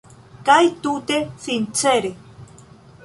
Kaj tute sincere.